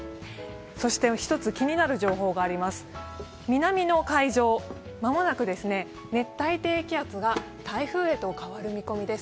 そして一つ気になる情報があります、南の海上、熱帯低気圧が台風へと変わる見込みです。